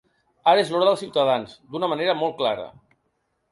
Ara és l’hora dels ciutadans, d’una manera molt clara.